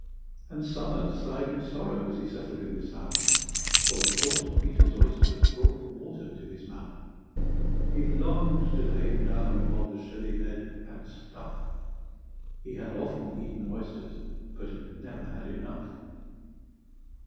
And Somers sighed in sorrow as he settled in the south, For the thought of Peter's oysters brought the water to his mouth. He longed to lay him down upon the shelly bed, and stuff: He had often eaten oysters, but had never had enough.